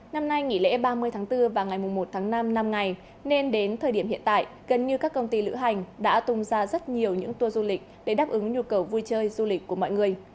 năm nay nghỉ lễ ba mươi tháng bốn và ngày một tháng năm năm ngày nên đến thời điểm hiện tại gần như các công ty lữ hành đã tung ra rất nhiều những tour du lịch để đáp ứng nhu cầu vui chơi du lịch của mọi người